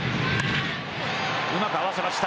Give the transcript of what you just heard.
うまく合わせました。